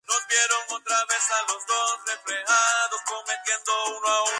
Las ontologías son continuamente actualizadas, y se dispone de nuevas versiones mensualmente.